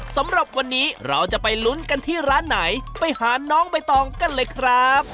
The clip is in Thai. สำหรับวันนี้เราจะไปลุ้นกันที่ร้านไหนไปหาน้องใบตองกันเลยครับ